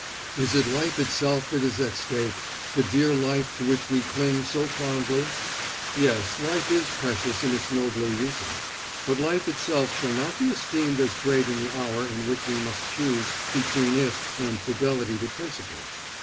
Is it life itself that is at stake; the dear life to which we cling so fondly? Yes, life is precious in its nobler uses; but life itself shall not be esteemed as great in the hour in which we must choose between it and fidelity to principle.